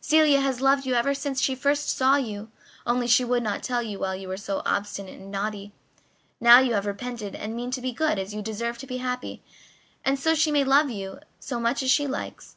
"Celia has loved you ever since she first saw you, only she would not tell you while you were so obstinate and naughty. Now you have repented and mean to be good you deserve to be happy, and so she may love you as much as she likes."